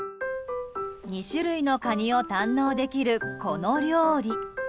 ２種類のカニを堪能できるこの料理。